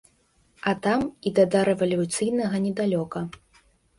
А там і да дарэвалюцыйнага недалёка!